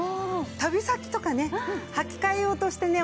旅先とかね履き替え用としてね